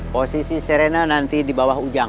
posisi serena nanti di bawah ujang